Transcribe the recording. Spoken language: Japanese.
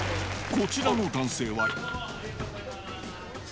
こちらの男性は。